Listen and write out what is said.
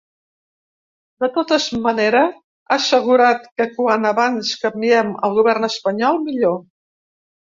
De totes manera, ha assegurat que ‘quan abans canviem el govern espanyol, millor’.